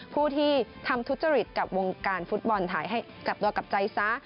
ผู้ที่ทำทุจริตกับวงการฟุตบอลไทยให้กลับตัวกลับใจซะ